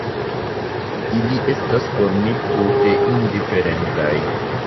Ili estas por mi tute indiferentaj.